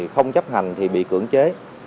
không chấp hành thì bị cưỡng chế